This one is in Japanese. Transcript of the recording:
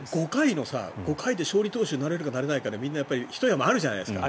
５回で勝利投手になれるかなれないかでみんなひと山あるじゃないですか。